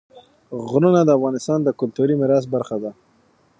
غرونه د افغانستان د کلتوري میراث برخه ده.